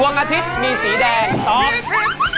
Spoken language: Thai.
ดวงอาทิตย์มีสีแดงตอบ